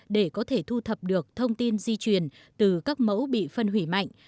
để có thể thu thập được thông tin di truyền từ các mẫu bị phân hủy mạnh